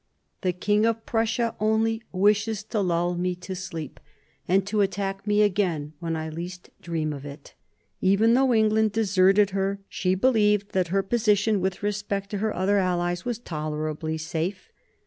The King of Prussia only wishes to lull me to sleep, and to attack me again when I least dream of it." Even though England deserted her, she believed that her position with respect to her other allies was tolerably safe.